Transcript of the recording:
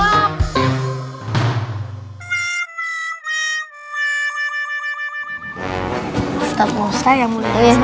ustadz ustadz yang mau dikasih